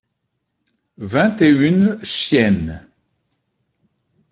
Vingt et une chiennes.